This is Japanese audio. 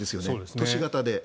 都市型で。